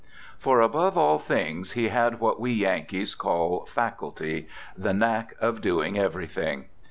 For, above all things, he had what we Yankees call faculty, the knack of doing everything.